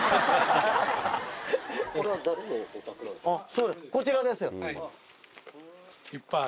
そうやこちらですよ。